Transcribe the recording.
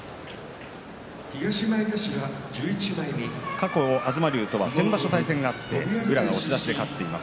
過去、東龍とは先場所対戦があって、宇良が押し出しで勝っています。